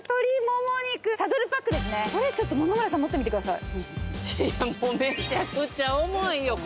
これちょっと野々村さん持ってみてください。